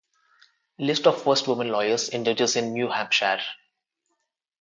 List of first women lawyers and judges in New Hampshire